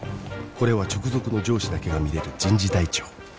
これは直属の上司だけが見れる人事台帳